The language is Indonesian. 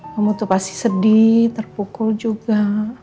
kamu tuh pasti sedih terpukul juga